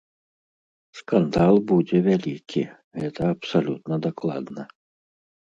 Скандал будзе вялікі, гэта абсалютна дакладна.